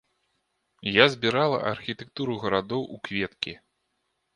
Я збірала архітэктуру гарадоў у кветкі.